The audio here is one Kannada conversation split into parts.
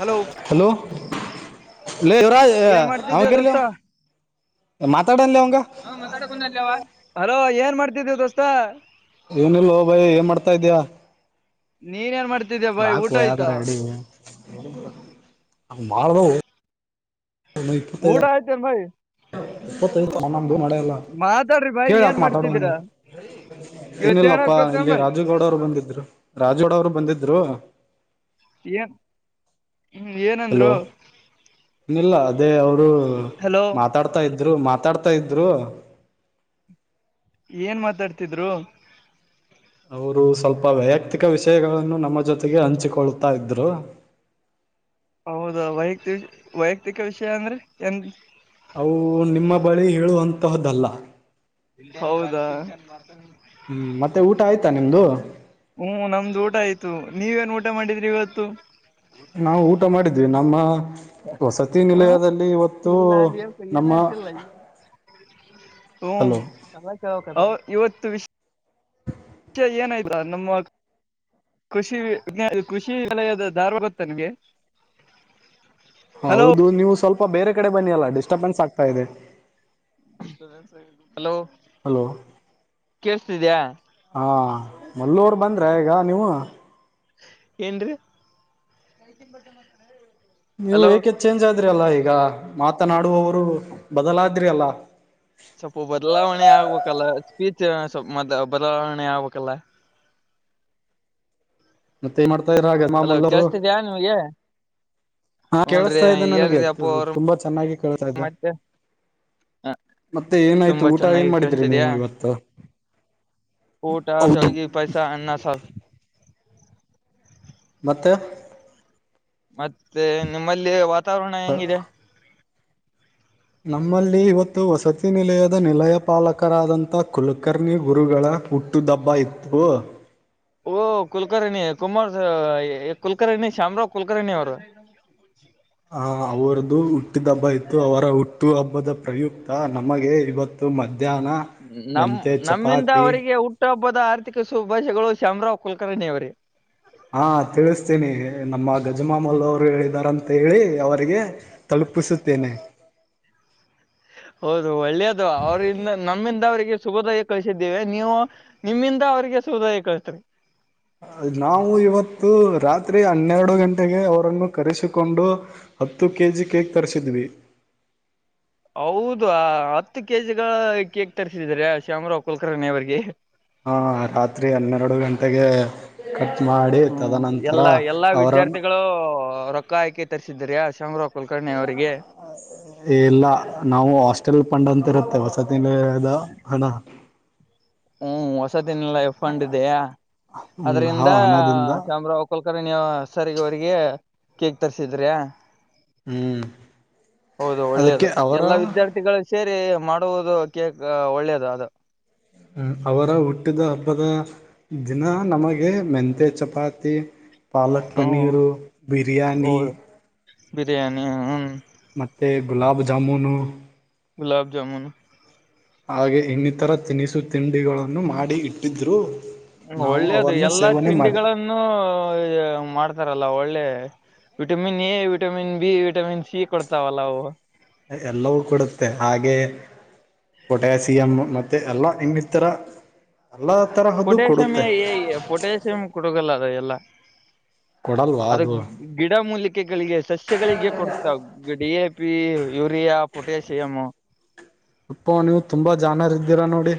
ಹಲೋ ಹಲೋ ಯವರಾಜ್ ಏನ್ ಅವ್ ಮಾಡ್ತಿದ್ದೆ ಕರಿಲ್ಲ್ ದೋಸ್ತ ಮಾತಾಡೆಲ್ಲ ಅವಂಗೆ ಹಾ ಹಲೋ ಏನ್ ಮಾಡ್ತಿದ್ದಿ ದೋಸ್ತ ಏನಿಲ್ಲ ಬೈ ಏನ್ ಮಾಡ್ತಾ ಇದ್ಯಾ ನೀನ್ ಏನ್ ಮಾಡ್ತಿದ್ಯಾ ಬಾಯ್ ಊಟ ಆಯ್ತಾ. ಮಾಡ್ದೋ ಊಟ ಆಯ್ತನ್ ಬಾಯ್ ಇಪ್ಪನು ಮಾಡೆಲ್ಲ ಮಾತಾಡ್ರಿ ಬಾಯ್ ಏನ್ ಕೇಳಯಕ್ ಮಾತಾಡ ಮಾಡ್ತಿದ್ದೀರಾ ಇವತ್ ಏನಿಲ್ಲಪ್ಪ ಏನತ್ ಗೊತ್ತೇನ್ ಇಲ್ಲಿ ಬಾಯ್ ರಾಜುಗೌಡ್ ಅವ್ರು ಬಂದಿದ್ರು ರಾಜುಗೌಡ ಅವರು ಬಂದಿದ್ರು. ಈ [unintelligible] ಹಲೋ ಇನ್ನಿಲ್ಲ ಅದೇ ಅವರು ಹಲೋ ಮಾತಾಡ್ ತ್ತಿದ್ರೂ ಮಾತಾಡ್ತಾ ಇದ್ರು ಏನ್ ಮಾತಾಡ್ತಿದ್ರು ಅವರು ಸ್ವಲ್ಪ ವೈಯಕ್ತಿಕ ವಿಷಯಗಳನ್ನು ನಮ್ಮ ಜೊತೆಗೆ ಹಂಚಿಕೊಳ್ತಾ ಇದ್ರು. ಹೌದಾ ವೈಯಕ್ತಿ ವೈಯಕ್ತಿಕ ವಿಷಯ ಅಂದ್ರೆ ಎನ್ ಅವು ನಿಮ್ಮ ಬಳಿ ಹೇಳುವಂತಹದ್ದಲ್ಲ. ಹೌದಾ ಹ್ಮ್ ಮತ್ತೆ ಊಟ ಆಯ್ತಾ ನಿಮ್ದು. ಹ್ಮ್ ನಮ್ದು ಊಟ ಆಯ್ತು ನೀವೇನ್ ಊಟ ಮಾಡಿದ್ರಿ ಇವತ್ತು. ನಾವು ಊಟ ಮಾಡಿದ್ವಿ ನಮ್ಮ ವಸತಿ ಹ ನಿಲಯದಲ್ಲಿ ಇವತ್ತು ಇಲ್ಲ ನಮ್ಮ ಹ್ಮ ಹಲೋ ಇವತ್ತು ವಿಷ್ ಯ ಏನಾಯ್ತಾ ನಮ್ಮ ಕೃಷಿ ಕೃಷಿ ವಿದ್ಯಾಲಯದ ಧಾರವಡ ಗೊತ್ತಾ ನನ್ಗೆ ಹೌದು ನೀವು ಸ್ವಲ್ಪ ಬೇರೆ ಕಡೆ ಬನ್ನಿ ಅಲ್ಲ ಡಿಸ್ಟರ್ಬೆನ್ಸ್ ಆಗ್ತಾ ಇದೆ. ಹಲೋ ಹಲೋ ಕೇಳಸತಿದ್ಯಾ. ಹಾ ಮಲ್ಲೂರು ಬಂದ್ರ ಈಗ ನೀವು. ಏನ್ರಿ ನೀವು ಏಕೆ ಚೇಂಜ್ ಆದ್ರಿ ಅಲ್ಲಾ ಈಗ ಮಾತನಾಡುವರು ಬದಲಾದ್ರಿ ಅಲ್ಲ. ಸ್ವಲ್ಪ ಬದಲಾವಣೆ ಆಗ್ಬೇಕಲ್ಲ ಸ್ಪೀಚ್ ಸ್ವಲ್ ಬದಲಾವಣೆ ಆಗ್ಬೇಕಲ್ಲ. ಮತ್ತೆ ಏನ್ ಮಾಡ್ತಾಯಿದಿರ ಅಲೋ [unintelligible] ಕೇಳ್ಸ್ತಿದ್ಯಾ ನಿಮ್ಗೆ ಹಾ ಹುನ್ರಿ ಕೇಳಸ್ತಾ ಇದ್ದೆ ನನಗೆ ಹೇಳ್ರಿ ಅಪ್ಪ ಅವರು ತುಂಬಾ ಚೆನ್ನಾಗಿ ಕೇಳ್ತಾ ಇದ್ದೆ. ಮತ್ತೆ ಹ ಮತ್ತೆ ಏನಾಯ್ತು ತುಂಬಾ ಊಟ ಏನ್ ಚೆನ್ನಾಗಿ ಮಾಡಿದ್ರಿ ನೀವು ಕೇಳ್ಸ್ತಿದ್ಯಾ ಇವತ್ತು. ಊಟ ಹೌದು ಶ್ಯಾವಿಗೆ ಪೈಸಾ ಅನ್ನ ಸರ್. ಮತ್ತೆ. ಮತ್ತೆ ನಿಮ್ಮಲ್ಲಿ ವಾತಾವರಣ ಹೆಂಗಿದೆ. ನಮ್ಮಲ್ಲಿ ಇವತ್ತು ವಸತಿ ನಿಲಯದ ನಿಲಯ ಪಾಲಕರಾದಂಥ ಕುಲಕರ್ಣಿ ಗುರುಗಳ ಹುಟ್ಟು. ಹಬ್ಬ ಇತ್ತು. ಓಹ ಕುಲಕರ್ಣಿ ಕುಮಾರ್ ಕುಲಕರ್ಣಿ ಶ್ಯಾಮರಾವ್ ಕುಲಕರ್ಣಿ ಅವ್ರು. ಆ ಅವ್ರದು ಹುಟ್ಟಿದ ಹಬ್ಬ ಇತ್ತು ಅವರ ಹುಟ್ಟ. ಹುಟ್ಟು ಹಬ್ಬದ ಪ್ರಯುಕ್ತ ನಮಗೆ ಇವತ್ತು ಮಧ್ಯಾಹ್ನ. ನಮ ಮೆಂತೆ ನಮ್ಮಿಂದ ಚಪಾತಿ ಅವರಿಗೆ ಹುಟ್ಟುಹಬ್ಬದ ಆರ್ಥಿಕ ಶುಭಾಶಯಗಳು ಶ್ಯಾಮರಾವ್ ಕುಲಕರ್ಣಿ ಅವೇ. ಹಾ ತಿಳಿಸ್ತೀನಿ ನಮ್ಮ ಗಜಮಾಮಲ್ಲ ಅವರು ಹೇಳಿದಾರಂತ ಹೇಳಿ ಅವರಿಗೆ ತಲುಪಿಸುತ್ತೇನೆ. ಹೌದು ಒಳ್ಳೇದು ಅವ್ರಂದ ನಮ್ಮಿಂದ ಅವ್ರಿಗೆ. ಶುಭೋದಯ ಕಳಿಸಿದ್ದೀವೆ ನೀವು ನಿಮ್ಮಿಂದ ಅವ್ರರಿಗೆ ಶುಭೋದಯ ಕಳ್ತ್ರರಿ ನಾವು ಇವತ್ತು ರಾತ್ರಿ ಹನ್ನೆರಡು ಗಂಟೆಗೆ ಅವರನ್ನು ಕರೆಸಿಕೊಂಡು. ಹತ್ತು ಕೆ ಜಿ ಕೇಕ್ ತರಿಸಿದ್ವಿ. ಹೌದ ಹತ್ತು ಕೆಜಿಗಳ ಕೇಕ್ ತರಿಸಿದಿದ್ದಾರೆ ಶ್ಯಾಮರಾವ್ ಕುಲ್ಕರ್ಣಿ ಅವರಿಗೆ. ಹಾ ರಾತ್ರಿ ಹನ್ನೆರಡು ಗಂಟೆಗೆ. ಕಟ್ ಮಾಡಿ. ಹ್ಮ್ ತದನಂತರ ಎಲ್ಲಾ ಎಲ್ಲಾ ಅವರನ್ನು ವಿದ್ಯಾರ್ಥಿಗಳು ರೊಕ್ಕ ಹಾಕಿ ತರಿಸಿದ್ರಯ ಶಾನೂ. [inaudible] ಇಲ್ಲ ನಾವು ಹಾಸ್ಟೆಲ್ ಫಂಡ್ ಅಂತ ಇರುತ್ತೆ ಹೊಸತಿನಿಲಯದ ಹಣ ಹ್ಮ್ ಹೊಸತಿನಿಲಯ ಫಂಡ್ ಇದಿಯಾ ಹ್ಮ್ ಆ ಆದ್ದರಿಂದ್ದ ಹಣದಿಂದ ಶಾಮ್ರವ್ ಕುಲಕರ್ಣಿ ಸರ್ ಅವರಿಗೆ ಕೇಕ್ ತರ್ಸಿದ್ರಿ. ಹ್ಮ್ ಹೌದು ಅದಕ್ಕೆ ಒಳ್ಳೇದು ಅವರ ಎಲ್ಲಾ ವಿದ್ಯಾರ್ಥಿಗಳು ಸೇರಿ ಮಾಡುವುದು ಕೇಕ್ ಒಳ್ಳೇದು ಅದು. ಹ್ಮ್ ಅವರ ಹುಟ್ಟಿದ ಹಬ್ಬದ. ದಿನ ನಮಗೆ ಮೆಂತೆ ಚಪಾತಿ. ಪಾಲಕ್ ಹ್ಮ್ ಪನ್ನೀರು ಬಿರಿಯಾನಿ. ಹೌದು ಬಿರಿಯಾನಿ ಹ್ಮ್ ಮತ್ತೆ ಗುಲಾಬ್ ಜಾಮೂನು. ಗುಲಬ್ ಜಾಮುನ್. ಹಾಗೆ ಇನ್ನಿತರ ತಿನಿಸು ತಿಂಡಿಗಳನ್ನು ಮಾಡಿ ಇಟ್ಟಿದ್ರು. ನಾವು ಒಳ್ಳೇದು ಅವನ್ನು ಎಲ್ಲಾ ಸೇವನೆ ಮಾಡಿ ತಿಂಡಿಗಳಗಳನ್ನುೂ ಮಾಡ್ತಾರಲ್ಲ ಒಳ್ಳೆ. Vitamin A vitamin B vitamin C ಕೊಡ್ತಾವಲ್ಲಾವು. ಎಲ್ಲವೂ ಕೊಡುತ್ತೆ ಹಾಗೆ. ಪೊಟ್ಯಾಸಿಯಮ ಮತ್ತೆ ಎಲ್ಲ ಇನ್ನಿತರ ಎಲ್ಲಾ ತರಹದ್ದು ಪೊಟ್ಯಾಸಿಯಂ ಕೊಡುತ್ತೆ. ಎ ಪೊಟ್ಯಾಸಿಯಂ ಕೊಡಕಲ್ಲ ಅದ ಎಲ್ಲ ಅದು. ಗಿಡ ಮೂಲಿಕೆಗಳಿಗೆ ಸಸ್ಯಗಳಿಗೆ ಕೊಡ್ತಾ. D A P urea potassium. ಅಪ್ಪೋ ನೀವು ತುಂಬಾ ಜಾಣರು ಇದ್ದೀರಾ ನೋಡಿ.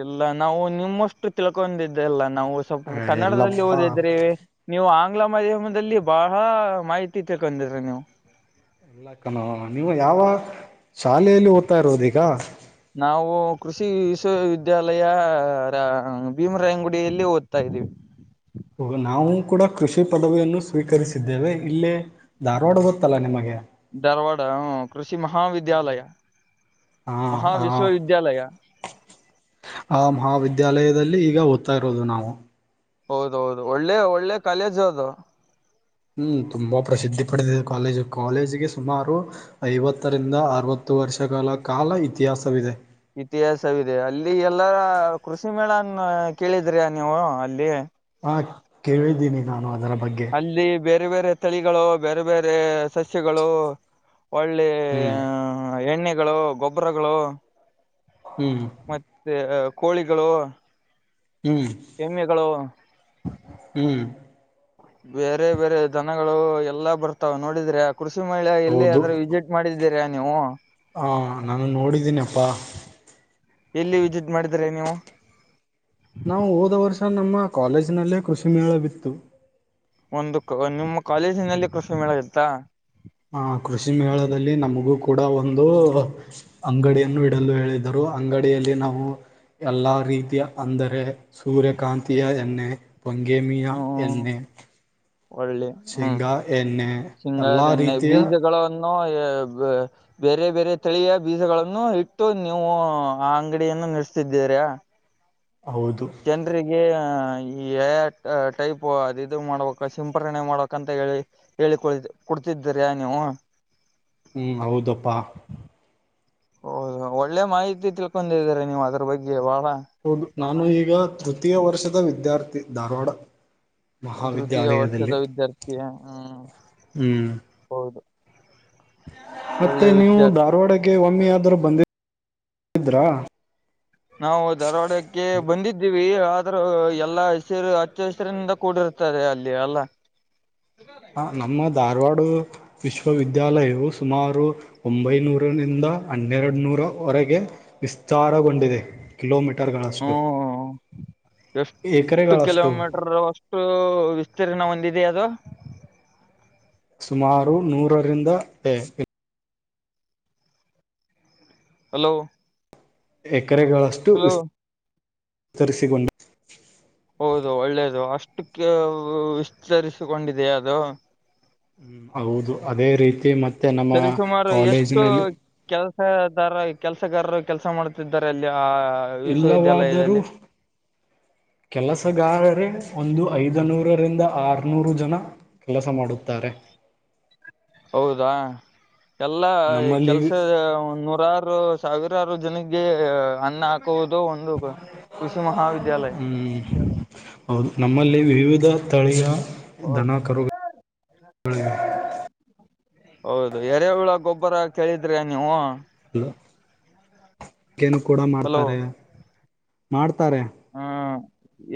ಇಲ್ಲ ನಾವು ನಿಮ್ಮಷ್ಟು ತಿಳ್ಕೊಂಡಿದ್ದೆಲ್ಲ ನಾವು ಸ್ವಲ್ಪ ಕನ್ನಡದಲ್ಲಿ ಎಲ್ಲಪ್ಪಾ ಓದಿದ್ರಿ ನೀವು ಆಂಗ್ಲ ಮಾಧ್ಯಮದಲ್ಲಿ ಬಹಳ ಮಾಹಿತಿ ತಿಳ್ಕೊಂಡಿದ್ರಿ ನೀವು. ಕ್ಕನೂ ನೀವು ಯಾವ ಶಾಲೆಯಲ್ಲಿ ಓದ್ತಾ ಇರೋದು ಈಗ ನಾವು ಕೃಷಿ ವಿಶ್ವವಿದ್ಯಾಲಯ ಭೀಮರಾಯಂಗುಡಿಯಲ್ಲಿ ಓದ್ತಾ ಇದ್ದೀವಿ. ಹೋ ನಾವು ಕೂಡ ಕೃಷಿ ಪದವಿಯನ್ನು ಸ್ವೀಕರಿಸಿದ್ದೇವೆ ಇಲ್ಲೇ. ಧಾರವಾಡ ಗೊತ್ತಲ್ಲಾ ನಿಮಗೆ. ಧಾರವಾಡ ಹೂ ಕೃಷಿ ಮಹಾವಿದ್ಯಾಲಯ ಹಾ ಮಹಾ ಹ ವಿಶ್ವವಿದ್ಯಾಲಯ ಆ ಮಹಾವಿದ್ಯಾಲಯದಲ್ಲಿ ಈಗ ಓದ್ತಾ ಇರೋದು ನಾವು. ಹೌದ ಹೌದು ಒಳ್ಳೆ ಒಳ್ಳೆ ಕಾಲೇಜ್ ಅದು. ಹ್ಮ್ ತುಂಬಾ ಪ್ರಸಿದ್ಧಿ ಪಡೆದಿದೆ ಕಾಲೇಜು ಕಾಲೇಜಿಗೆ ಸುಮಾರು ಐವತ್ತರಿಂದ ಅರವತ್ತು ವರ್ಷಗಳ ಕಾಲ ಇತಿಹಾಸವಿದೆ. ಇತಿಹಾಸವಿದೆ ಅಲ್ಲಿ ಎಲ್ಲಾ ಕೃಷಿ ಮೇಳನ್ ಕೇಳಿದ್ರಿ ನೀವು ಅಲ್ಲಿ. ಹಾ ಕೇಳಿದ್ದೀನಿ ನಾನು ಅದರ ಬಗ್ಗೆ. ಇಲ್ಲಿ ಬೇರೆ ಬೇರೆ ತಳಿಗಳು ಬೇರೆ ಬೇರೆ ಸಸ್ಯಗಳು ಒಳ್ಳೆ ಹ್ಮ್ ಹ ಎಣ್ಣೆಗಳು ಗೊಬ್ಬರಗಳು ಹ್ಮ್ ಮತ್ತೆ ಕೋಳಿಗಳು ಹ್ಮ್ ಎಮ್ಮೆಗಳು ಹ್ಮ್ ಬೇರೆ ಬೇರೆ ಧನಗಳು ಎಲ್ಲಾ ಬರ್ತಾವ ನೋಡಿದ್ರೆ ಆ ಕೃಷಿ ಮೇಳೆ ಎಲ್ಲಿ ಆದ್ರೆ ವಿಸಿಟ್ ಬೂಕ್ ಮಾಡಿದ್ದೀರಾ ನೀವು ಹಾ ನಾನು ನೋಡಿದ್ದೀನಿ ಅಪ್ಪಾ ಎಲ್ಲಿ ವಿಸಿಟ್ ಮಾಡಿದ್ರೆ ನೀವು ನಾವು ಹೋದ ವರ್ಷ ನಮ್ಮ ಕಾಲೇಜ್ ನಲ್ಲೇ ಕೃಷಿ ಮೇಳ ಬಿತ್ತು. ಒಂದು ಕ್ ನಿಮ್ಮ ಕಾಲೇಜಿನಲ್ಲಿ ಕೃಷಿ ಮೇಳ ಇತ್ತಾ. ಹ ಕೃಷಿ ಮೇಳದಲ್ಲಿ ನಮಗೂ ಕೂಡ ಒಂದು ಅಂಗಡಿಯನ್ನು ಇಡಲು ಹೇಳಿದರು ಅಂಗಡಿಯಲ್ಲಿ ನಾವು ಎಲ್ಲಾ ರೀತಿಯ ಅಂದರೆ ಸೂರ್ಯಕಾಂತಿಯ ಎಣ್ಣೆ ಪೊಂಗೇಮಿಯ ಹ್ಮ್ ಎಣ್ಣೆ ಒಳ್ಳೆ ಹ್ಮ್ ಶೇಂಗಾ ಎಣ್ಣೆ ಎಲ್ಲಾ ಶಿಂಗದ ಎಣ್ಣೆ ರೀತಿಯ ಬೀಜಗಳನ್ನು ಬೇರೆ ಬೇರೆ ತಳಿಯ ಬೀಜಗಳನ್ನು ಇಟ್ಟು ನೀವು ಆ ಅಂಗಡಿಯನ್ನು ನಡೆಸ್ತಿದ್ದೀರ. ಹೌದು ಜನರಿಗೆ ಎಐ ಟೈಪ್ ಅದು ಇದು ಮಾಡ್ಬೇಕು ಸಿಂಪಣೆ ಮಾಡ್ಬೇಕಂತ ಹೇಳಿ ಹೇಳಿಕೊ ಕೊಡ್ತಿದ್ದೀರಿ ನೀವು. ಹ್ಮ್ ಹೌದಪ್ಪಾ ಹೌದು ಒಳ್ಳೆ ಮಾಹಿತಿ ತಿಳ್ಕೊಂಡಿದೀರ ನೀವು ಅದ್ರ ಬಗ್ಗೆ ಬಹಳ ಹೌದು ನಾನು ಈಗ ತೃತೀಯ ವರ್ಷದ ವಿದ್ಯಾರ್ಥಿ ಧಾರವಾಡ ತೃತೀಯ ವರ್ಷದ ಮಹಾವಿದ್ಯಾಲಯದಲ್ಲಿ ವಿದ್ಯಾರ್ಥಿ ಹ್ಮ್ ಹ್ಮ್ ಹೌದು ಮತ್ತೆ ಒಳ್ಳೆ ನೀವು ವಿದ್ಯಾರ್ಥಿ ಧಾರವಾಡಗೆ ಒಮ್ಮಿ ಆದ್ರೂ ಬಂದಿದ್ರಾ. ನಾವು ಧಾರವಾಡಕ್ಕೆ ಬಂದಿದ್ದೀವಿ ಆದ್ರೂ ಎಲ್ಲಾ ಹಸಿರು ಹಚ್ಚ ಹೆಸರಿನಿಂದ ಕೂಡಿರುತ್ತೆ. ಇರ್ತಾರೆ ಅಲ್ಲಿ ಅಲ್ಲ ಹ ನಮ್ಮ ಧಾರವಾಡೂ ವಿಶ್ವವಿದ್ಯಾಲಯವು ಸುಮಾರು ಒಂಬೈನೂರರಿಂದ ಹನ್ನೆರಡು ನೂರವರೆಗೆ. ವಿಸ್ತಾರಗೊಂಡಿದೆ. ಕಿಲೋಮೀಟರ್ಗಳಷ್ಟು ಹ್ಮ್ ಎಕರೆಗಳಷ್ಟು ಓ ವಿಸ್ತೀರ್ಣ ಒಂದಿದೆ ಅದು. ಸುಮಾರು ನೂರರಿಂದ ಏ [inaudible] ಹಲೋ? [inaudible] ಎಕರೆಗಳಷ್ಟು ವಿಸ್ ವಿಸ್ತರಿಸಿಕೊಂಡು. [inaudible] ಹೌದು ಒಳ್ಳೇದು ಅಷ್ಟಕ್ಕೆ ಓ ವಿಸ್ತರಿಸಿಕೊಂಡಿದೆೆಯ ಅದು? [inaudible] ಹೌದು ಅದೇ ರೀತಿ ಮತ್ತೆ ನಮ್ಮ ಸರಿಸುಮಾರು ಎಷ್ಟು ಕಾಲೇಜಿನಲ್ಲಿ, [inaudible] ಕೆಲಸದಾರ ಕೆಲಸಗಾರರು ಕೆಲಸಾ ಮಾಡುತ್ತಿದ್ದಾರೆ ದೇಯಾ [inaudible] ಇಲ್ಲವಾದರೂ? [inaudible] ಕೆಲಸಗಾರರೇ ಒಂದು ಐದುನೂರರಿಂದ ಆರುನೂರು ಜನಾ [inaudible] ಕೆಲಸ ಮಾಡುತ್ತಾರೆ. ಹೌದಾ ಎಲ್ಲಾ ಕೆಲಸ ನಮ್ಮಲ್ಲಿ ನೂರಾರು. [inaudible] ಸಾವಿರಾರು ಜನಕ್ಕೆ ಅನ್ನ ಹಾಕುವುದು ಒಂದು ಕೃಷಿ ಮಹಾವಿದ್ಯಾಲಯ. ಹ್ಮ್ ಹೌದು ನಮ್ಮಲ್ಲಿ ವಿವಿಧ ತಳೀಯ ಧನ, ಹೌದು ಕರುಗಳು, [inaudible] ಹೌದು ಎರೆ ಹುಳ ಗೊಬ್ಬರ ಕೇಳಿದ್ರಿ ನೀವು? [inaudible] ಲ ಕೇನ್ ಕೂಡ ಹಲೋ ಮಾಡ್ತಾರೆ ಮಾಡ್ತಾರೆ. [inaudible] ಹೂ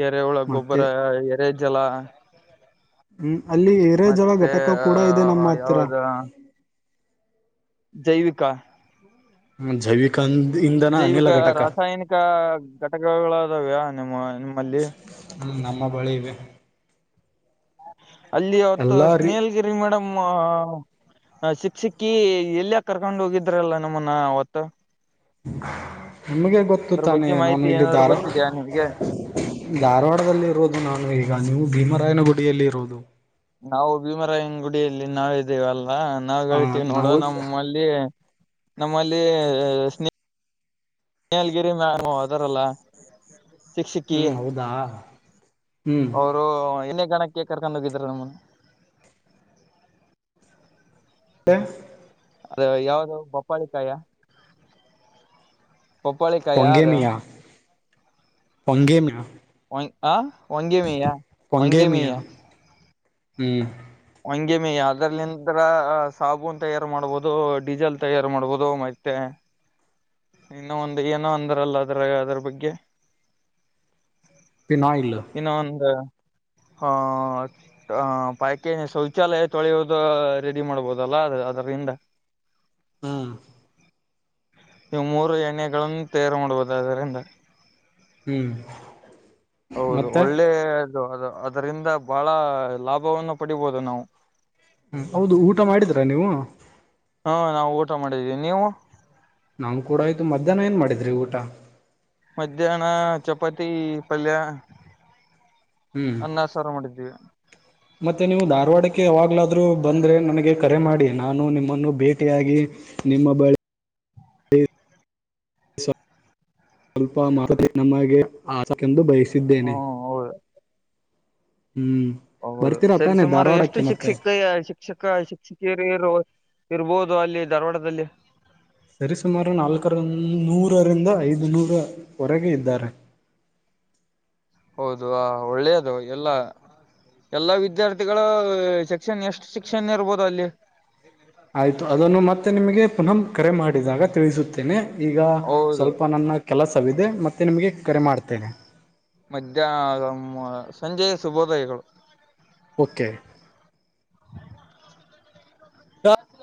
ಎರೆ ಹುಳ ಮತ್ತೆ ಗೊಬ್ಬರ ಎರೆ ಜಲ. [inaudible] ಹು ಅಲ್ಲಿ ಏರೇದ ಹುಳ ಮತ್ತೆ ಘಟಕ ಕೂಡ ಇದೆ ನಮ್ಮ ಹತ್ರ. [inaudible] ಯಾವ್ದ ಜೈವಿಕಾ? [inaudible] ಜೈವಿಕಂದ ಇಂಧನ ಅನಿಲ ಘಟಕ. [inaudible] ಹ ಘಟಕಗಳು ಅದಾವ್ಯಾ ನಿಮ್ಮ ನಿಮ್ಮಲ್ಲಿ. [inaudible] ಹೂ ನಮ್ಮ ಬಳಿ ಇದೆ. [inaudible] ಅಲ್ಲಿ ಅವತ್ತು ಎಲ್ಲಾ ರೀ ಸ್ನೇಹಲ್ಗಿರಿ ಮೇಡಮ್ [inaudible] ನನ್ನ ಶಿಕ್ಷಕೀ ಎಲ್ಲೇ ಕರ್ಕೊಂಡ್ ಹೋಗಿದ್ರಲ್ಲಾ ನಮ್ಮನ್ನ ಅವತ್ತು. [inaudible] ನಿಮಗೆ ಗೊತ್ತು ಅದ್ರ ತಾನೆ ಬಗ್ಗೆ ನಾನು ಮಾಹಿತಿ ಏನಾದ್ರು ಎಲ್ಲಿದ್ದಾರೋ? ಗೊತ್ತಿದೆಯಾ ನಿಮ್ಗೆ [inaudible] ಧಾರವಾಡದಲ್ಲಿ ಇರೋದು ನಾನು ಈಗ ನೀವು ಭೀಮರಾಯನಗುಡಿಯಲ್ಲಿ ಇರೋದು. [inaudible] ನಾವು ಭೀಮರಾಯನ ಗುಡಿಯಲ್ಲಿ ನಾವ ಇದ್ದೇವ ಅಲ್ಲಾ ನಾವ್ ಹ ಹೇಳತ್ತಿವೆ ನೋಡು ನಾವು ನಮ್ಮ ಅಲ್ಲಿ. [inaudible] ಕೇಳಿ ನಮ್ಮಲ್ಲಿ [inaudible] ಮೇಲಗಿರಿ ಮ್ಯಾಮೂ ಅದರಲ್ಲ? [inaudible] ಶಿಕ್ಷಕಿ ಹ್ಮ್ ಹೌದಾ ಹ್ಮ್ ಮತ್ತೆ ಅವರು ಎನ್ನೇ ಗಣಕ್ಕ. [inaudible] ಕರ್ಕೊಂಡ್ ಹೊಗಿದರು ನಮ್ಮನ [inaudible] [unintelligible] [inaudible] ಅದ ಯಾವ್ದ ನಿಮ್ದ ಪೋಪ್ಪಾಳಿಕಾಯ? [inaudible] ಪಪ್ಪಾಳಿಕಾಯ ಅದು ಪೊಂಗೇಮಿಯಾ ಪಂಗೇಮಿಯಾ? [inaudible] ಒನ್ ಆ ಒಂಗೆ ಮೀಯಾ ಒಂಗೆ ಮೀಯಾ? [inaudible] ಹೂ [inaudible] ಪೊಂಗೇಮಿಯಾ ಅದ್ರ ನಿಂದರ ಸಾಬೂನ್ ತಯಾರು ಮಾಡ್ಬೋದು ಡೀಸೆಲ್ ತಯಾರು ಮಾಡ್ಬೋದು ಮತ್ತೆ. [inaudible] ಇನ್ನು ಒಂದು ಏನೋ ಅಂದ್ರಲ್ಲ ಅದ್ರ ಅದ್ರ ಬಗ್ಗೆ? [inaudible] Pen oil. [inaudible] ಇನ್ನೊಂದ ಹ [inaudible] ಅ ಪ್ಯಾಕೇಜ್ ಶೌಚಾಲಯ ತೊಳೆಯೋದು ರೆಡಿ ಮಾಡ್ಬೋದಲ್ಲ ಅದರಿಂದ. [inaudible] ಹೂ [inaudible] ಇವ್ ಮೂರು ಎಣ್ಣೆಗಳನ್ನು ತಯಾರು ಮಾಡಬಹದು ಅದರಿಂದ. [inaudible] ಹೂ [inaudible] ಹೌದು ಒಳ್ಳೆಯದು ಅದು ಅದರಿಂದ ಬಹಳ ಲಾಭವನ್ನು ಪಡಿಬಹುದು ನಾವು? [inaudible] ಹೂ ಹೌದು ಊಟ ಮಾಡಿದ್ರಾ ನೀವು? [inaudible] ಹಾ ನಾವು ಊಟ ಮಾಡಿದ್ದೀವಿ ನೀವು? [inaudible] ನಮ್ ಕೂಡ ಆಯ್ತು ಮಧ್ಯಾಹ್ನ ಏನ್ ಮಾಡಿದ್ರಿ ಊಟ. ಮಧ್ಯಾಹ್ನ ಚಪಾತಿ ಪಲ್ಯ ಹ್ಮ್ ಅನ್ನ ಸಾ ಸಾರ ಮಾಡಿದ್ದೀಯ ಮತ್ತೆ ನೀವು ಧಾರವಾಡಕ್ಕೆ ಅವಾಗ್ಲಾದ್ರೂ ಬಂದರೆ ನನಗೆ ಕರೆ ಮಾಡಿ ನಾನು ನಿಮ್ಮನ್ನು ಭೇಟಿಯಾಗಿ ನಿಮ್ಮ ಬಳಿ ಸ್ವಲ್ಪ ಮಾ ನಮಗೆ ಆಸಕಂದು ಬಯಸಿದ್ದೇನೆ. ಹ್ಮ್ ಹೌದು ಹ್ಮ್ ಹೌದು ಬರ್ತೀರಾ ಸರಿ ತಾನೆ ಸುಮಾರು ಎಷ್ಟು ಧಾರವಾಡಕ್ಕೆ ಮತ್ತೆ ಶಿಷಕಿಯ ಶಿ ಶಿಕ್ಷಕ ಶಿಕ್ಷಕಿಯರು ಇರಬೋದು ಅಲ್ಲಿ ಧಾರವಾಡದಲ್ಲಿ. ಸರಿಸುಮಾರು ನಾಲ್ಕರ ನೂರರಿಂದ ಐದು ನೂರವರೆಗೆ ಇದ್ದಾರೆ. ಹೌದು ಆ ಒಳ್ಳೇದು ಎಲ್ಲಾ ಎಲ್ಲಾ ವಿದ್ಯಾರ್ಥಿಗಳ ಶಿಕ್ಷಣ ಎಷ್ಟು ಶಿಕ್ಷಣ ಇರ್ಬೋದು ಅಲ್ಲಿ. ಆಯ್ತು ಅದನ್ನು ಮತ್ತೆ ನಿಮಗೆ ಪುನಃ ಕರೆ ಮಾಡಿದಾಗ ತಿಳಿಸುತ್ತೇನೆ ಈಗ ಹೌದು ಸ್ವಲ್ಪ ನನ್ನ ಕೆಲಸವಿದೆ ಮತ್ತೇ ನಿಮಗೆ ಕರೆ ಮಾಡ್ತೇನೆ. ಮಧ್ಯಾಹ್ ಸಂಜೆಯ ಸುಭೋದಯಗಳು. ಓಕೆ